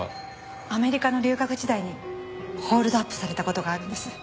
アメリカの留学時代にホールドアップされた事があるんです。